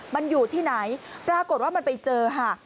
มันอยู่ที่ไหนปรากฏว่ามันไปเจอค่ะ